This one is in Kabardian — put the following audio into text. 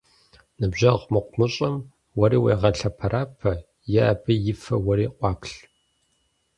Ныбжьэгъу мыхъумыщӀэм уэри уегъэлъэпэрапэ, е абы и фэ уэри къуаплъ.